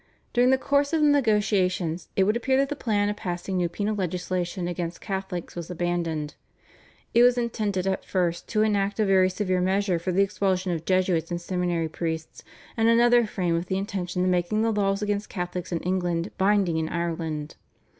During the course of the negotiations it would appear that the plan of passing new penal legislation against Catholics was abandoned. It was intended at first to enact a very severe measure for the expulsion of Jesuits and seminary priests, and another framed with the intention of making the laws against Catholics in England binding in Ireland.